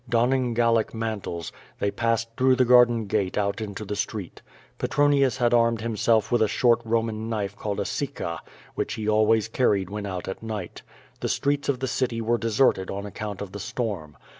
Donning Gallic mantles, they passed through the garden gate out into the street. Petron ius had armed himself with a short Eoman knife called a sicca, which he always carried when out at night. The streets of the city were deserted on account of the storm.